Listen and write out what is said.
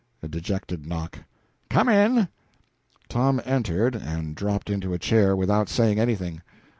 A dejected knock. "Come in!" Tom entered, and drooped into a chair, without saying anything.